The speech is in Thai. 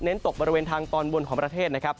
ตกบริเวณทางตอนบนของประเทศนะครับ